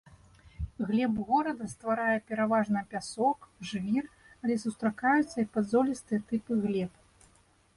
Глебу горада, стварае пераважна пясок і жвір, але сустракаюцца і падзолістыя тыпы глеб.